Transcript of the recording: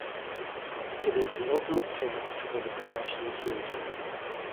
It is the ultimate test for the professional soldier.